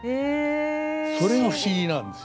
それが不思議なんですよね。